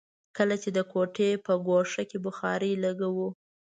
کله چې د کوټې په ګوښه کې بخارۍ لګوو.